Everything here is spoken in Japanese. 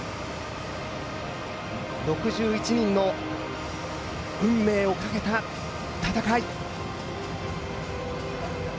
６１人の運命をかけた戦い。